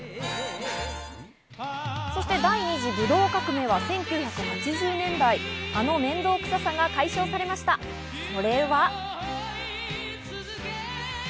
そして第二次ブドウ革命は１９８０年代あの面倒くささが解消されました、それは。